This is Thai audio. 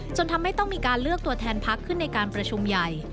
จนทำให้ต้องมีการเลือกตัวแทนพักขึ้นในการประชุมใหญ่